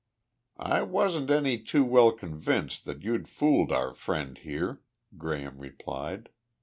"I wasn't any too well convinced that you'd fooled our friend here," Graham replied.